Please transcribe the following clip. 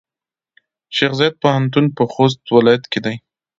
شیخزاید پوهنتون پۀ خوست ولایت کې دی.